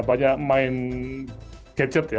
banyak main gadget ya